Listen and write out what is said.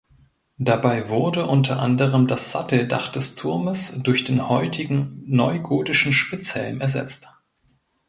Dabei wurde unter anderem das Satteldach des Turmes durch den heutigen neugotischen Spitzhelm ersetzt.